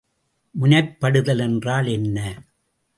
முனைப்படுதல் என்றால் என்ன?